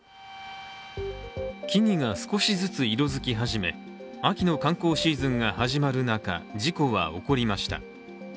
木々が少しずつ色づきはじめ秋の観光シーズンが始まる中、事故は起こりました。